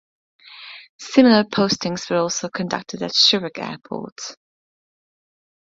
Similar postings were also conducted at Shirak Airport.